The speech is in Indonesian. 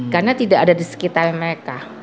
karena tidak ada di sekitar mereka